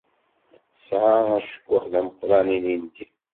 Tesɛa acekkuḥ d ameqqṛan ilindi.